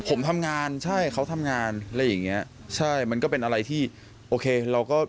ผมทำงานใช่เขาทำงานอะไรอย่างเงี้ยใช่มันก็เป็นอะไรที่โอเคเราก็